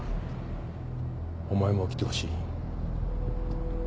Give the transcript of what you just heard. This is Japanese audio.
お前も来てほしい。